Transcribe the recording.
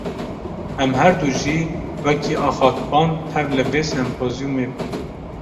Em herdu jî, wekî axaftvan tev li vê sempozyûmê bûn